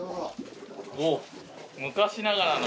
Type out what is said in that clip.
おっ昔ながらの。